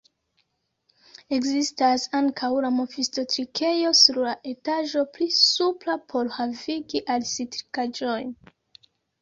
Ekzistas ankaŭ la Mephisto-trinkejo sur la etaĝo pli supra por havigi al si trinkaĵojn.